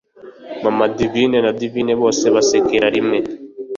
mama divine na divine bose basekera rimwe,